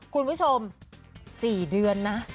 คุณผู้ชม๔เดือนนะ